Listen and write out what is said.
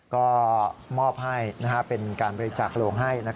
ก็มอบให้เป็นการบริจาคโรงให้